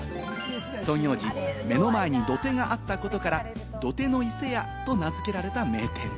創業時、目の前に土手があったことから、土手の伊勢屋と名付けられた名店。